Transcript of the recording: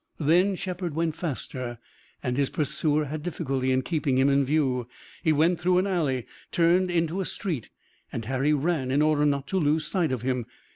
Then Shepard went faster and his pursuer had difficulty in keeping him in view. He went through an alley, turned into a street, and Harry ran in order not to lose sight of him.